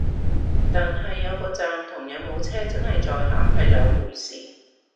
但係有個站同有冇車真係載客係兩回事